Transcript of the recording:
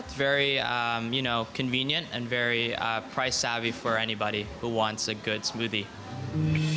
sangat kamu tahu nyaman dan sangat pengetahuan dengan harga untuk siapa yang mau smoothie yang bagus